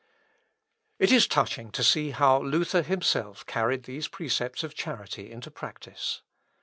It is touching to see how Luther himself carried these precepts of charity into practice.